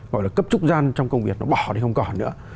gọi là cấp trung gian trong công việc nó bỏ đi không còn nữa